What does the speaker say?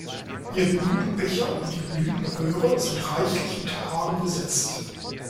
Ihr Blütenbecher und die Blütenröhre sind reichlich mit Haaren besetzt.